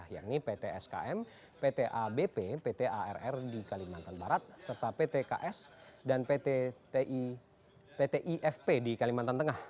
yakni pt skm pt abp pt arr di kalimantan barat serta pt ks dan pt ifp di kalimantan tengah